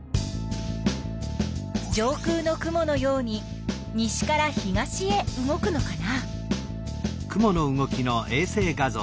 上空の雲のように西から東へ動くのかな？